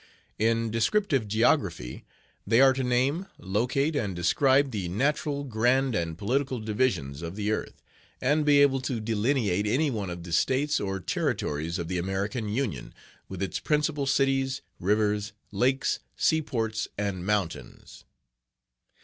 In DESCRIPTIVE GEOGRAPHY they are to name, locate, and describe the natural grand and political divisions of the earth, and be able to delineate any one of the States or Territories of the American Union, with its principal cities, rivers, lakes, seaports, and mountains.